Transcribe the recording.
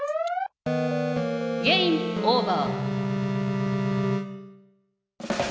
ゲームオーバー。